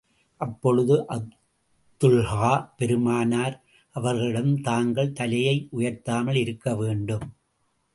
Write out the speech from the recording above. அப்பொழுது அபூதல்ஹா, பெருமானார் அவர்களிடம் தாங்கள், தலையை உயர்த்தாமல் இருக்க வேண்டும்.